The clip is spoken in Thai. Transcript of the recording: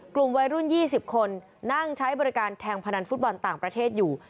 กลุ่มวัยรุ่น๒๐คนนั่งใช้บริการแทงพนันฟุตบอลต่างประเทศอยู่